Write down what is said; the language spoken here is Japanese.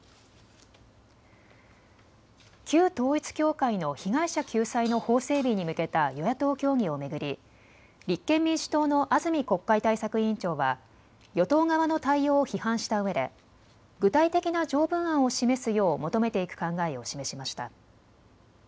旧統一教会の被害者救済の法整備に向けた与野党協議を巡り立憲民主党の安住国会対策委員長は与党側の対応を批判したうえで具体的な条文案を示すよう求めていく考えを示しました。